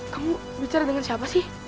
kamu bicara dengan siapa sih